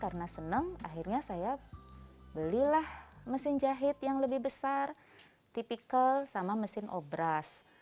karena senang akhirnya saya belilah mesin jahit yang lebih besar tipikal sama mesin obras